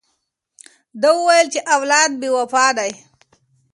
ده وویل چې اولاد بې وفا دی.